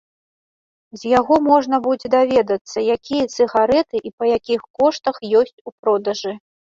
З яго можна будзе даведацца, якія цыгарэты і па якіх коштах ёсць у продажы.